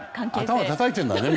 頭たたいているんだね